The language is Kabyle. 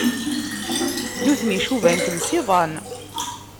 Nutni cuban-kem s iḍan.